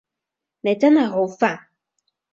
你真係好煩